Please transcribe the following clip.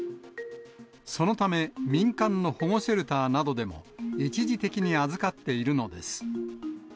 そのため、民間の保護シェルターなどでも、一時的に預かっているのです。